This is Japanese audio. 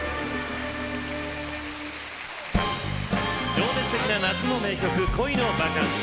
情熱的な夏の名曲「恋のバカンス」。